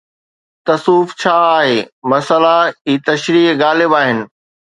تصوف جا اهي مسئلا، هي تشريح غالب آهن